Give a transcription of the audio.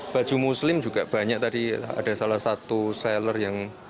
baju muslim juga banyak tadi ada salah satu seller yang